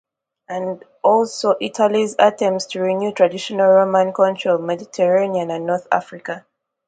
And, also, Italy's attempts to renew traditional Roman control of Mediterranean and North Africa.